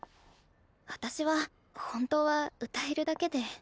私は本当は歌えるだけで。